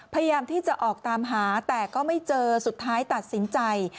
พยายามที่จะออกตามหาแต่ก็ไม่เจอสุดท้ายตัดสินใจ